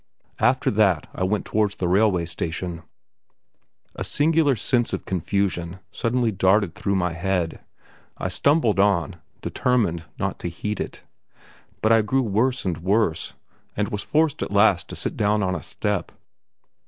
After that I went towards the railway station. A singular sense of confusion suddenly darted through my head. I stumbled on, determined not to heed it; but I grew worse and worse, and was forced at last to sit down on a step.